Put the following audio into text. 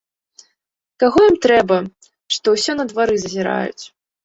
Каго ім трэба, што ўсё на двары зазіраюць?